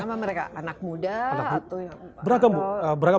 apa mereka anak muda atau beragam